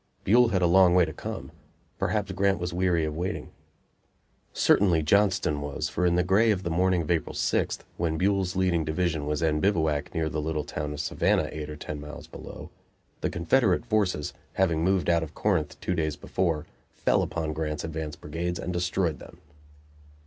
Buell had a long way to come; perhaps Grant was weary of waiting. Certainly Johnston was, for in the gray of the morning of April 6th, when Buell's leading division was en bivouac near the little town of Savannah, eight or ten miles below, the Confederate forces, having moved out of Corinth two days before, fell upon Grant's advance brigades and destroyed them.